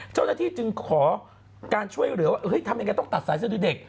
เจ้าหน้าที่จึงขอการช่วยเหลือว่าเฮ้ยทำยังไงต้องตัดสายเสื้อดูเด็ก